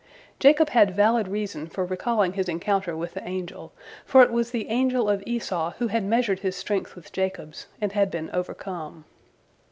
Jacob had valid reason for recalling his encounter with the angel, for it was the angel of Esau who had measured his strength with Jacob's, and had been overcome.